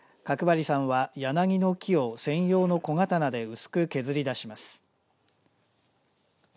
角張さんは、柳の木を専用の小刀で薄く削り出します。